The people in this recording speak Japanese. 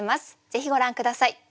ぜひご覧下さい。